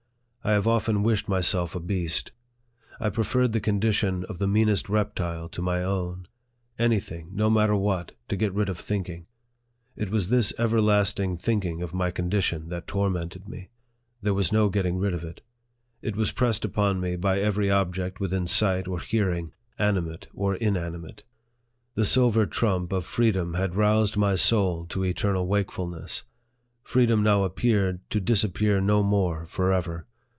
I have often wished myself a beast. I preferred the condition of the meanest reptile to my own. Any thing, no matter what, to get rid of think ing ! It was this everlasting thinking of my condition that tormented me. There was no getting rid of it. It was pressed upon me by every object within sight or LIFE OF FREDERICK DOUGLASS. 41 hearing, animate or inanimate. The silver trump of freedom had roused my soul to eternal wakefulness. Freedom now appeared, to disappear no more forever.